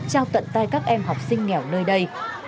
trao tận tay các em học sinh nghèo nơi đây